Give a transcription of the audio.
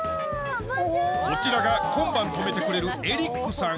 こちらが今晩泊めてくれるエリックさん